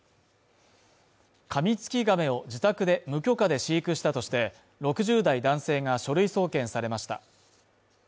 カミツキガメを自宅で無許可で飼育したとして６０代男性が書類送検されました。